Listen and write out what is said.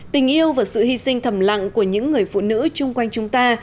tình yêu và sự hy sinh thầm lặng của những người phụ nữ chung quanh chúng ta